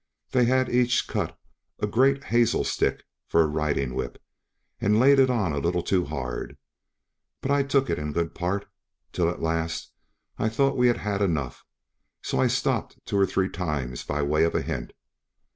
They had each cut a great hazel stick for a riding whip, and laid it on a little too hard; but I took it in good part, till at last I thought we had had enough, so I stopped two or three times by way of a hint.